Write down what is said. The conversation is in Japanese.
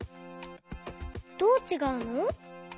どうちがうの？